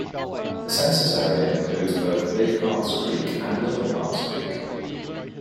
The census area includes both Big Harts Creek and Little Harts Creek.